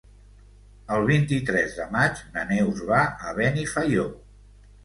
El vint-i-tres de maig na Neus va a Benifaió.